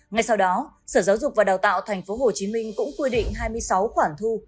ngay sau đó sở giáo dục và đào tạo tp hcm cũng quy định hai mươi sáu khoản thu